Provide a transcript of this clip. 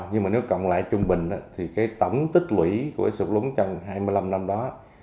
nhưng nếu cộng lại trung bình thì tổng tích lũy của sụt lúng trong hai mươi năm năm đó